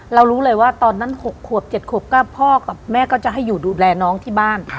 รู้เลยว่าตอนนั้น๖ขวบ๗ขวบก็พ่อกับแม่ก็จะให้อยู่ดูแลน้องที่บ้าน